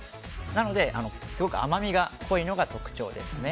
なので、すごく甘みが濃いのが特徴ですね。